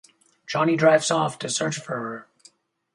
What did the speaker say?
Johnny drives off to search for her.